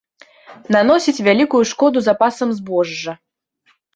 Наносіць вялікую шкоду запасам збожжа.